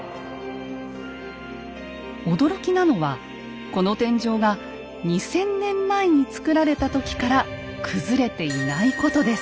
驚きなのはこの天井が２，０００年前に造られた時から崩れていないことです。